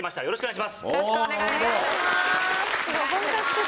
よろしくお願いします。